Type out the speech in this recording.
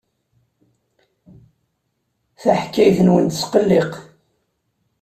Taḥkayt-nwen tesqelliq.